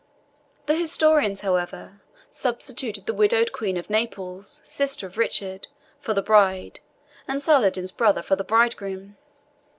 The historians, however, substitute the widowed Queen of Naples, sister of Richard, for the bride, and Saladin's brother for the bridegroom.